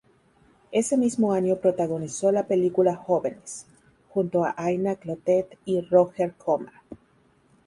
Ese mismo año protagonizó la película "Jóvenes", junto a Aina Clotet y Roger Coma.